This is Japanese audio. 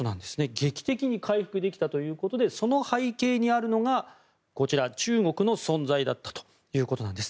劇的に回復できたということでその背景にあるのが、中国の存在だったということなんです。